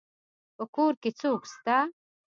په کور کي څوک سته.